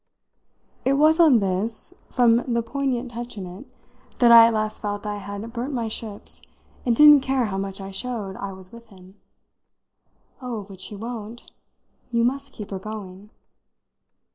It was on this from the poignant touch in it that I at last felt I had burnt my ships and didn't care how much I showed I was with him. "Oh, but she won't. You must keep her going."